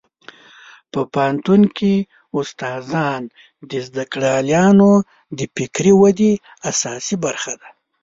په پوهنتون کې استادان د زده کړیالانو د فکري ودې اساسي برخه ده.